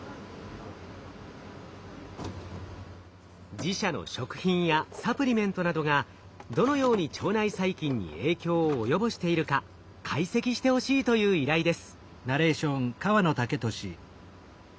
自社の食品やサプリメントなどがどのように腸内細菌に影響を及ぼしているか解析してほしいという依頼です。